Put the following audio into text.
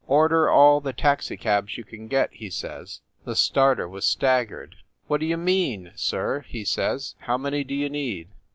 "Order all the taxicabs you can get!" he says. The starter was staggered. "What d you mean, sir?" he says. "How many do you need?"